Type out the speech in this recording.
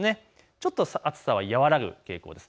ちょっと暑さは和らぐ傾向です。